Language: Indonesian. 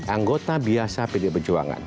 anggota biasa pdi perjuangan